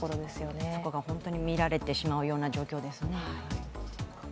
そこが本当に見られてしまう状況ですね。